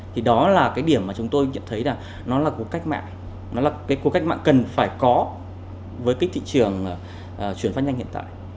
thì đó là cái điểm mà chúng tôi nhận thấy là nó là cuộc cách mạng nó là cái cuộc cách mạng cần phải có với cái thị trường chuyển phát nhanh hiện tại